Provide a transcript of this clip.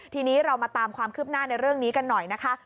ทีนี้เรามาตามความคืบหน้าในเรื่องนี้กันหน่อยนะคะ